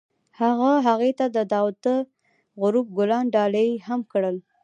هغه هغې ته د تاوده غروب ګلان ډالۍ هم کړل.